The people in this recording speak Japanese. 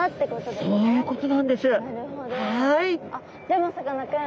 でもさかなクン